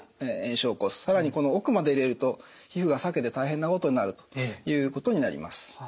更にこの奥まで入れると皮膚が裂けて大変なことになるということになります。